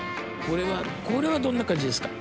これはどんな感じですか？